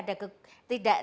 tidak masuk akal